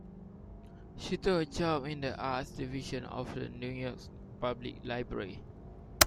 She took a job in the art division of the New York Public Library.